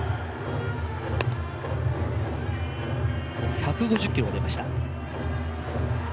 １５０キロ出ました。